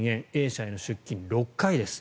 Ａ社への出金、６回です。